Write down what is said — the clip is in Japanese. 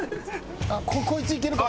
こいついけるかも。